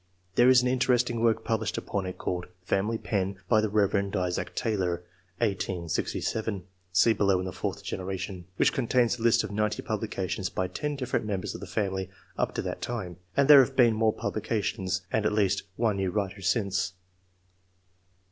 There is an interesting work published upon it, called "The Family Pen,'' by the Rev. Isaac Taylor, 1867 (see below in the "fourth generation"), which contains a list* of 90 publications by 10 diflFerent members of the family, up to that time ; and there have been more publications, and at least one new writer, since.